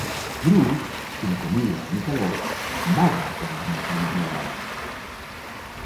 Bruce, sin comida ni calor, vaga por las montañas nevadas.